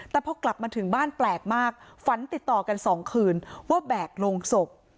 แต่พอกลับมาถึงบ้านแปลกมากฝันติดต่อกัน๒คืนว่าแบกโรงศพ